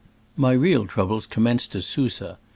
'* My real troubles commenced at Susa.